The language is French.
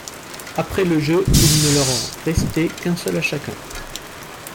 Après le jeu, il ne leur en restait qu’un seul à chacun.